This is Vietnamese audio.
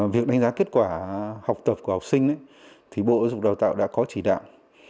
việc đánh giá kết quả học tập của học sinh thì bộ giáo dục đào tạo đã có chỉ đạo